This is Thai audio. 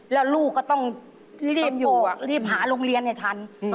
แล้วลูกก็ต้องรีบหาโรงเรียนให้ทัน